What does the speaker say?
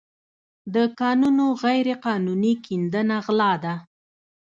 د کانونو غیرقانوني کیندنه غلا ده.